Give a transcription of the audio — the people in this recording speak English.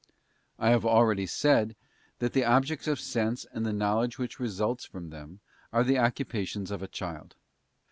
'* I have already said that the objects of sense and the knowledge which results from them are the occupations of achild.